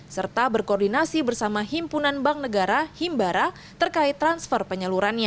serta berkoordinasi bersama himpunan bank negara himbara terkait transfer penyalurannya